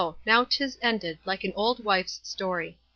now 'tis ended, like an old wife's story.